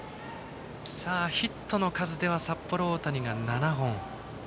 ヒットの数では札幌大谷が７本。